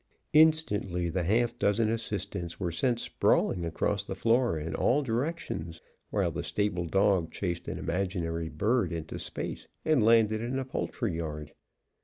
Instantly the half dozen assistants were sent sprawling across the floor in all directions, while the stable dog chased an imaginary bird into space and landed in a poultry yard.